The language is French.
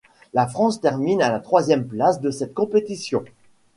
La France termine à la troisième place de cette compétition.